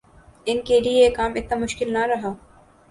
ان کیلئے یہ کام اتنا مشکل نہ رہا۔